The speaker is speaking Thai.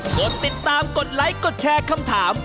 กดติดตามกดไลค์กดแชร์คำถาม